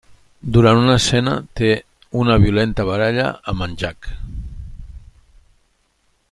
Durant una escena té una violenta baralla amb en Jack.